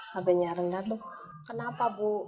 hb nya rendah tuh kenapa bu